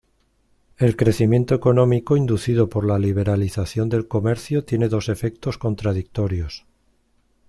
El crecimiento económico inducido por la liberalización del comercio tiene dos efectos contradictorios.